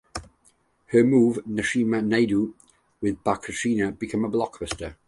Her movie "Narasimha Naidu" with Balakrishna became a blockbuster.